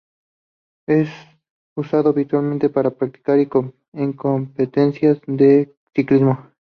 Es usado habitualmente para prácticas y competencias de Ciclismo.